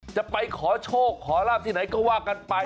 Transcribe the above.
จะไปขอโชคขอลาบที่ไหนก็ว่ากันไป